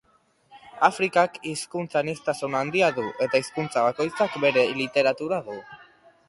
Afrikak hizkuntza-aniztasun handia du eta hizkuntza bakoitzak bere literatura du.